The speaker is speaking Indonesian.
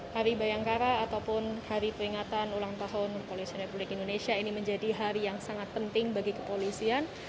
hari bayangkara ataupun hari peringatan ulang tahun polisi republik indonesia ini menjadi hari yang sangat penting bagi kepolisian